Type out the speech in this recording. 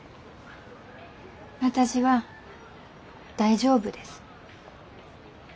私は大丈夫です。